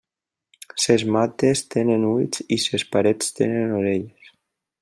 Ses mates tenen ulls i ses parets tenen orelles.